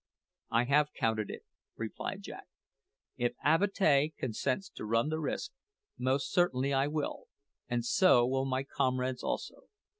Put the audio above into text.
"I have counted it," replied Jack. "If Avatea consents to run the risk, most certainly I will; and so will my comrades also.